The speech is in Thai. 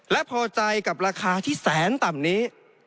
และพอใจกับราคาที่แสนต่ำนี้